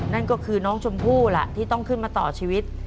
นั่นก็คือน้องชมพู่ล่ะที่ต้องขึ้นมาต่อชีวิต